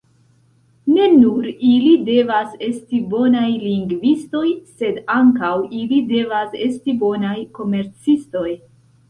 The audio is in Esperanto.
Ne nur ili devas esti bonaj lingvistoj, sed ankaŭ ili devas esti bonaj komercistoj.